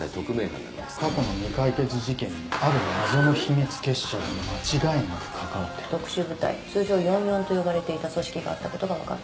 「過去の未解決事件にはある謎の秘密結社が間違いなく関わってる」「特殊部隊通称“四四”と呼ばれていた組織があった事がわかった」